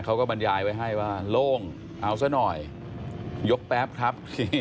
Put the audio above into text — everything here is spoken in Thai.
บรรยายไว้ให้ว่าโล่งเอาซะหน่อยยกแป๊บครับ